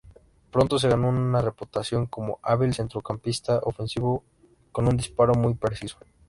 Pronto se ganó una reputación como hábil centrocampista ofensivo, con un disparo muy preciso.